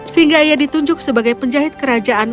sehingga ia ditunjuk sebagai penjahit kerajaan